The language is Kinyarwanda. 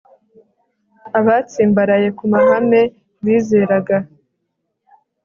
abatsimbaraye ku mahame bizeraga